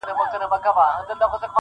ښکلي همېش د سترګو پاس دا لړمان ساتي ,